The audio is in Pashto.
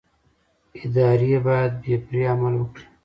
ادارې باید بې پرې عمل وکړي